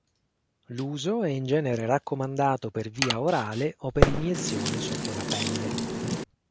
L'uso è in genere raccomandato per via orale o per iniezione sotto la pelle.